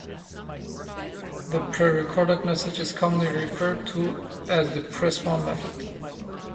The prerecorded message is commonly referred to as the "press one" method.